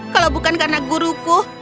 kalau bukan karena guruku